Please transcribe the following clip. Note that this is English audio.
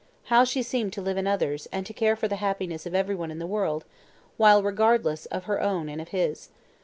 How she seemed to live in others, and to care for the happiness of everyone in the world, while regardless of her own and of his.